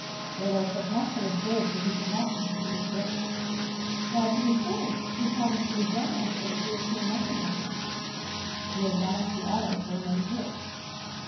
"Your Lordship must have observed that he could not continue his journey." "Why, to be sure, he promised to rejoin us, and we have seen nothing of him." "He has done us the honor to remain here."